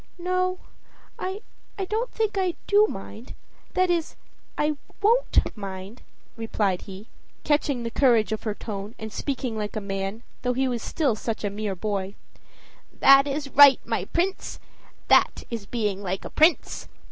"No, I don't think I do mind that is, I WON'T mind," replied he, catching the courage of her tone and speaking like a man, though he was still such a mere boy. "That is right, my Prince! that is being like a prince.